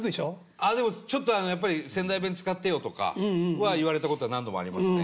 あでもちょっとやっぱり「仙台弁使ってよ」とかは言われたことは何度もありますね。